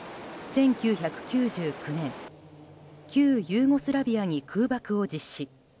１９９９年、旧ユーゴスラビアに空爆を実施。